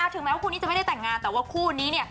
ถึงแม้ว่าคู่นี้จะไม่ได้แต่งงานแต่ว่าคู่นี้เนี่ย